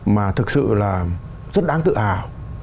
mà thực sự là rất đáng tự hào